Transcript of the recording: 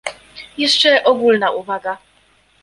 Jeszcze ogólna uwaga